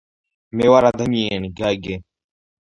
მე ვარ ადამიანი გაიგე